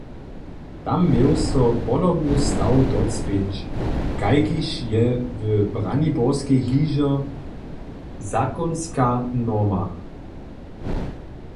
Tam měł so podobny staw docpěć, kajkiž je w Braniborskej hižo zakonska norma.